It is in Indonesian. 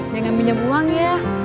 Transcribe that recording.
jangan minum uang ya